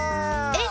えっ？